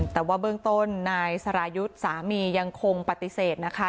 แต่ว่าเบื้องต้นนายสรายุทธ์สามียังคงปฏิเสธนะคะ